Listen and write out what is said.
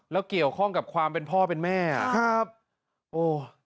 แล้วเกี่ยวข้องกับความเป็นพ่อเป็นแม่อ่ะครับโอ้